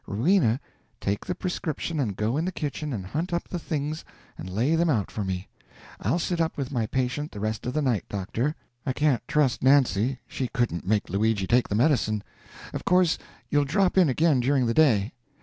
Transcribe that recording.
"Rowena, take the prescription and go in the kitchen and hunt up the things and lay them out for me. I'll sit up with my patient the rest of the night, doctor; I can't trust Nancy, she couldn't make Luigi take the medicine. Of course, you'll drop in again during the day.